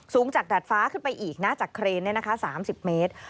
สูงจากดาดฟ้าขึ้นไปอีกนะจากเครน๓๐เมตร